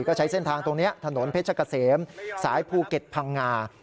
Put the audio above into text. ก็ใช้เส้นทางตรงนี้ถนนเพชรเกษมสายภูเก็ตพังงา